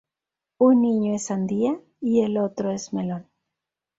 Un niño es Sandía y el otro es Melón.